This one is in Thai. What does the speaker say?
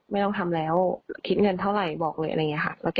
ไม่ต้องทำแล้วคิดเงินเท่าไหร่บอกเลย